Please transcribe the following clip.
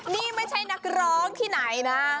นี่ไม่ใช่นักร้องที่ไหนนะ